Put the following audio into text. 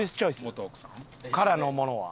元奥さん？からのものは。